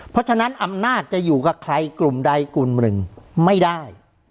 เพราะฉะนั้นอำนาจจะอยู่กับใครกลุ่มใดกลุ่มหนึ่งไม่ได้